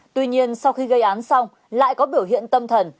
tuy nhiên sau khi gây án xong lại có biểu hiện tâm thần